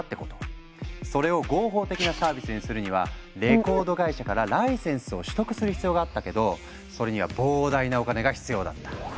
それを合法的なサービスにするにはレコード会社からライセンスを取得する必要があったけどそれには膨大なお金が必要だった。